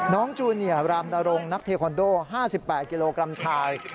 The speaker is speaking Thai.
จูเนียรามนรงนักเทคอนโด๕๘กิโลกรัมชาย